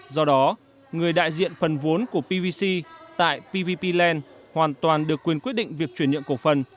do đó người đại diện phần vốn của pvc tại pvp land hoàn toàn được quyền quyết định việc chuyển nhượng cổ phần